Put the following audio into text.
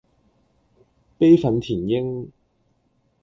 悲憤填膺